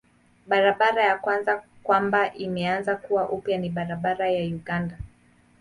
Barabara ya kwanza kwamba imeanza kuwa upya ni barabara ya Uganda.